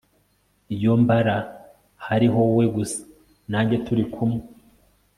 Iyo mbara hariho wowe gusa nanjye turi kumwe